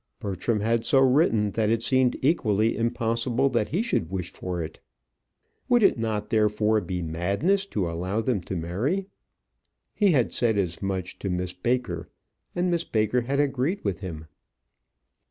Bertram had so written that it seemed equally impossible that he should wish for it. Would it not, therefore, be madness to allow them to marry? He had said as much to Miss Baker, and Miss Baker had agreed with him.